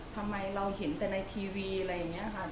ทำไมเราเห็นแต่ในทีวีอะไรอย่างนี้ค่ะ